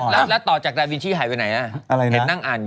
แล้วต่อจากไลร์วิชิหายไปไหน